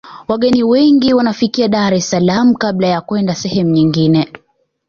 wageni wengi wanafikia dar es salaam kabla ya kwenda sehemu nyingine